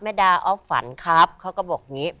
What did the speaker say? ดาออฟฝันครับเขาก็บอกอย่างนี้